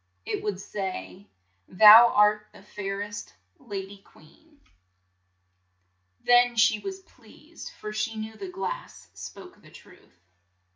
" it would say: " Thou art the fair est, la dy queen." 66 LITTLE SNOWDROP Then she was p eased, for she knew the glass spoke the truth.